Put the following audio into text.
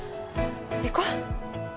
行こう。